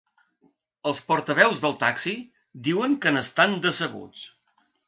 Els portaveus del taxi diuen que n’estan decebuts.